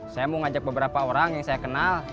saya mau ngajak beberapa orang yang saya kenal